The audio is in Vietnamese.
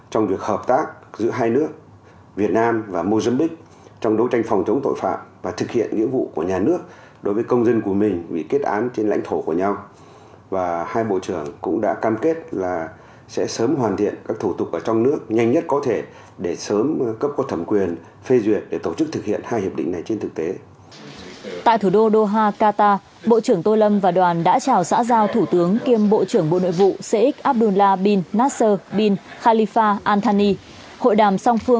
trong lĩnh vực hợp tác phòng chống tội phạm hai bên nhấn mạnh tiếp tục tăng cường hoạt động trao đổi kinh nghiệm thực thi pháp luật và thông tin tội phạm